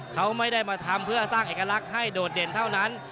เขาไม่ได้มาทำเพื่อสร้างเอกลักษณ์ให้โดดเด่นเท่านั้น